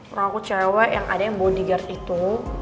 orang aku cewe yang ada yang bodyguard itu